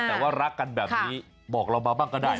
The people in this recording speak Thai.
แต่ว่ารักกันแบบนี้บอกเรามาบ้างก็ได้